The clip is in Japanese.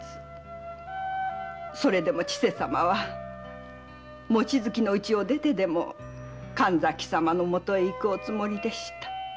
それでも千世様は望月家を出ても神崎様のもとへ行くつもりでした。